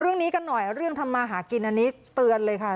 เรื่องนี้กันหน่อยเรื่องทำมาหากินอันนี้เตือนเลยค่ะ